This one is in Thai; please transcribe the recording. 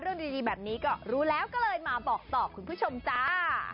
เรื่องดีแบบนี้ก็รู้แล้วก็เลยมาบอกต่อคุณผู้ชมจ้า